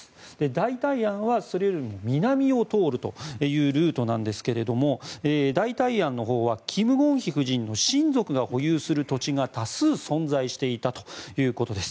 代替案はそれよりも南を通るというルートなんですが代替案のほうはキム・ゴンヒ夫人の親族が保有する土地が多数存在していたということです。